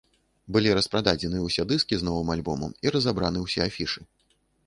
Былі распрададзены ўсе дыскі з новым альбомам і разабраны ўсе афішы.